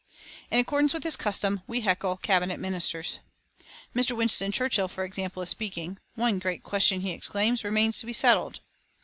In accordance with this custom we heckle Cabinet Ministers. Mr. Winston Churchill, for example, is speaking. "One great question," he exclaims, "remains to be settled."